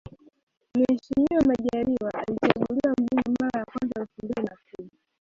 Mheshimiwa Majaliwa alichaguliwa mbunge mara ya kwanza elfu mbili na kumi